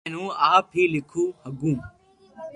ھين ھون آپ ھي ليکو ھگو